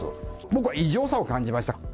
僕は異常さを感じました。